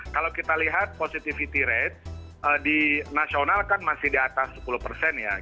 kalau kita lihat positivity rate di nasional kan masih di atas sepuluh ya